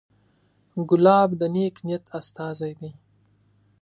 ګلاب د نیک نیت استازی دی.